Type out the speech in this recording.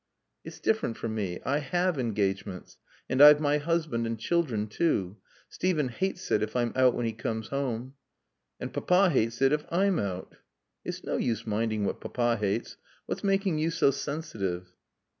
"It's different for me. I have engagements. And I've my husband and children too. Steven hates it if I'm out when he comes home." "And Papa hates it if I'm out." "It's no use minding what Papa hates. What's making you so sensitive?"